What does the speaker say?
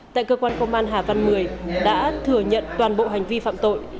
tại cơ quan công an hà văn một mươi đã thừa nhận toàn bộ hành vi phạm tội